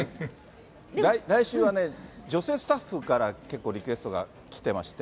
来週はね、女性スタッフから結構リクエストが来てまして。